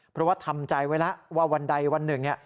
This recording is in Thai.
เพราะว่าทำใจไว้แล้วว่าวันใดวันหนึ่งเนี่ย